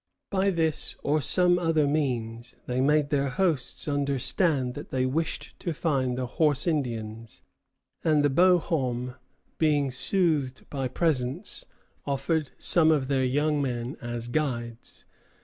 By this or some other means they made their hosts understand that they wished to find the Horse Indians; and the Beaux Hommes, being soothed by presents, offered some of their young men as guides.